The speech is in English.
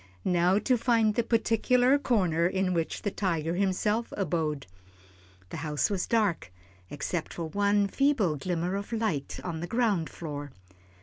Now to find the particular corner in which the tiger himself abode. The house was dark, except for one feeble glimmer of light on the ground floor.